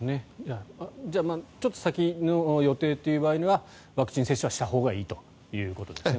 じゃあちょっと先の予定という場合にはワクチン接種はしたほうがいいということですね。